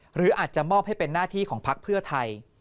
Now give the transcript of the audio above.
หรืออาจจะมอบให้เป็นหน้าที่ของพักเพื่อไทย